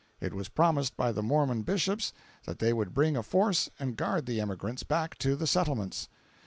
It was promised by the Mormon bishops that they would bring a force and guard the emigrants back to the settlements.